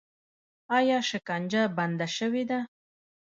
آیا شکنجه بنده شوې ده؟